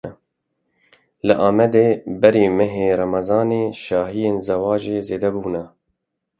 Li Amedê berî meha Remezanê şahiyên zewacê zêde bûne.